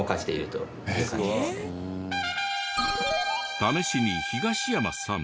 試しに東山さん。